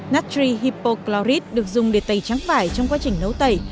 natri hypochlorite được dùng để tẩy trắng vải trong quá trình nấu tẩy